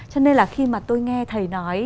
cho nên là khi mà tôi nghe thầy nói